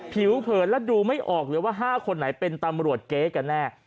ผิวเผินและดูไม่ออกเลยว่า๕คนไหนเป็นตำรวจเก๊กันแน่